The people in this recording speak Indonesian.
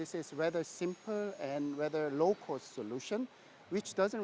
ini adalah solusi yang sederhana dan mudah dikosongkan